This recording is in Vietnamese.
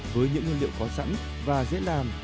với những nguyên liệu có sẵn và dễ làm